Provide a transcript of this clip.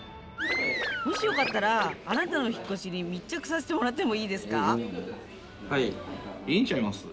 もしよかったらあなたの引っ越しに密着させてもらってもいいですか？